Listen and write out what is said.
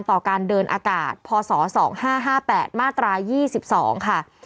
ต่อการเดินอากาศพศ๒๕๕๘มาตรา๒๒ค่ะ